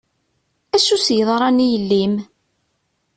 Acu i s-yeḍran i yelli-m?